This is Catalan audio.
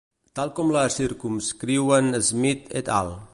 Tal com la circumscriuen Smith et al.